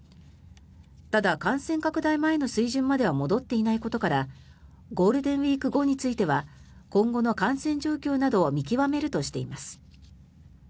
ただ、感染拡大前の水準までは戻っていないことからゴールデンウィーク後については今後の感染状況などを見極めるとしています。